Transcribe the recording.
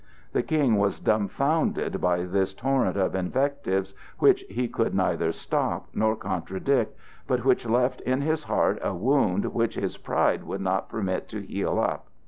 The King was dumfounded by this torrent of invectives, which he could neither stop nor contradict, but which left in his heart a wound which his pride would not permit to heal up.